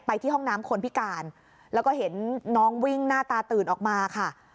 ที่ห้องน้ำคนพิการแล้วก็เห็นน้องวิ่งหน้าตาตื่นออกมาค่ะ